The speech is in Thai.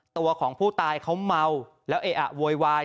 ตัวของผู้ตายเขาเมาแล้วเออะโวยวาย